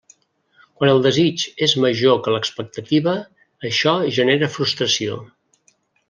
Quan el desig és major que l'expectativa, això genera frustració.